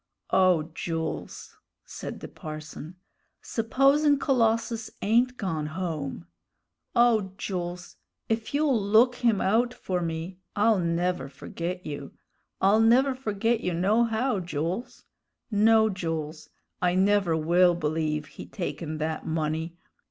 "O Jools!" said the parson, "supposin' Colossus ain't gone home! O Jools, if you'll look him out for me, I'll never forget you I'll never forget you, nohow, Jools. No, Jools, I never will believe he taken that money.